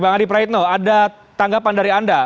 bang adi praitno ada tanggapan dari anda